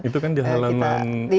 itu kan di halaman